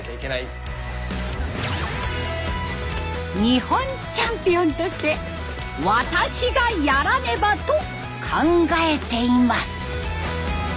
日本チャンピオンとして「私がやらねば」と考えています。